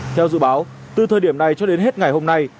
theo dự báo từ thời điểm này cho đến hết ngày hôm nay